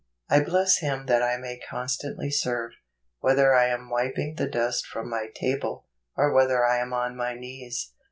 I bless Him that I may constantly serve, whether I am wiping the dust from my table, or whether I am on my knees.